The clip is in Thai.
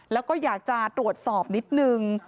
แล้วก็อยากจะตรวจสอบนิดนึง